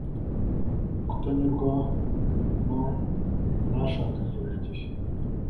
kutanyurwa no mwashakanye burigihe